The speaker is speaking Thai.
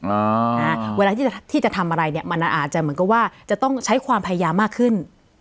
เวลาที่จะทำอะไรเนี่ยมันอาจจะเหมือนกับว่าจะต้องใช้ความพยายามมากขึ้น